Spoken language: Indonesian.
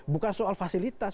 bukan soal fasilitas